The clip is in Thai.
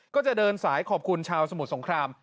ก็จะเดินสายขอบคุณชาวสมุทรสงคราม